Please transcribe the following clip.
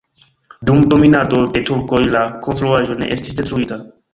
Dum dominado de turkoj la konstruaĵo ne estis detruita.